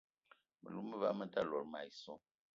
Me lou me ba me ta lot mayi so.